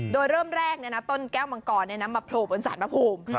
โดยเริ่มแรกเนี่ยนะต้นแก้วมังกรเนี่ยนะมาโผล่บนศาลมะพุม